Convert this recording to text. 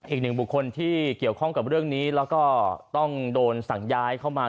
อีกหนึ่งบุคคลที่เกี่ยวข้องกับเรื่องนี้แล้วก็ต้องโดนสั่งย้ายเข้ามา